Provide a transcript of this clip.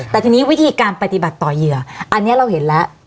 แต่ทีนี้วิธีการปฏิบัติต่อเหยื่ออันนี้เราเห็นแล้ว